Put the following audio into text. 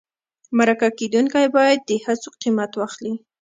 مرکه کېدونکی باید د هڅو قیمت واخلي.